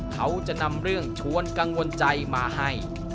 เขาจะนำเรื่องชวนกังวลใจมาให้